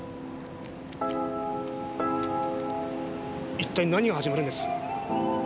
一体何が始まるんです？